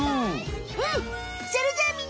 うん。